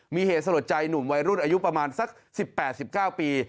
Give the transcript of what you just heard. มีเหตุสลดใจหนุ่มวัยรุ่นอายุประมาณสัก๑๘๑๙ปี